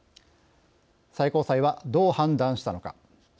最高裁はどう判断したのか。